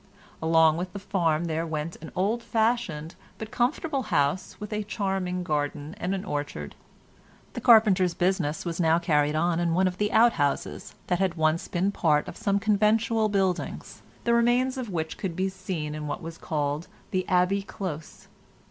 Along with the farm there went an old fashioned but comfortable house with a charming garden and an orchard. The carpenter's business was now carried on in one of the outhouses that had once been part of some conventual buildings, the remains of which could be seen in what was called the Abbey Close.